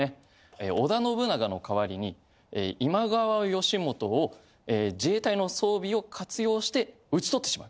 織田信長の代わりに今川義元を自衛隊の装備を活用して討ち取ってしまう。